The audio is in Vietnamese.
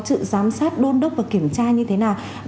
sự giám sát đôn đốc và kiểm tra như thế nào